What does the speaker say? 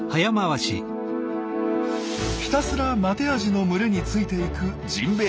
ひたすらマテアジの群れについていくジンベエザメの子ども。